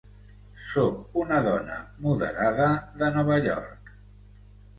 Sóc una dona moderada de Nova York.